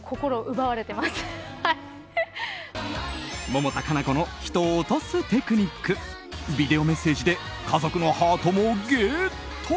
百田夏菜子の人を落とすテクニックビデオメッセージで家族のハートもゲット！